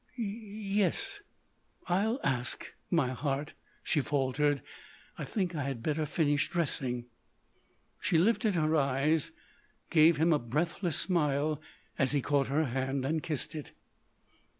"Y yes—I'll ask—my heart," she faltered.... "I think I had better finish dressing——" She lifted her eyes, gave him a breathless smile as he caught her hand and kissed it.